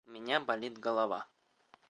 У меня болит голова.